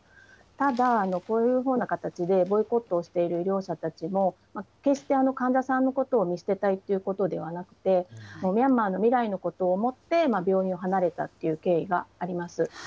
ただ、こういうふうな形でボイコットをしている医療者たちも、決して患者さんたちを見捨てたいということではなくて、ミャンマーの未来のことを思って、病院を離れたという経緯があります。